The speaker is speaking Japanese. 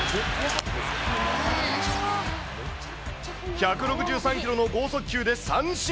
１６３キロの剛速球で三振。